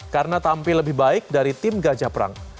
karena tampil lebih baik dari tim gajah perang